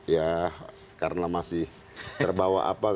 ya karena masih terbawa apa